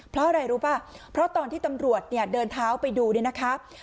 เพราะอะไรรู้ป่ะเพราะตอนที่ตำรวจเนี่ยเดินเท้าไปดูเนี่ยนะคะ